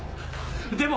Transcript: でも。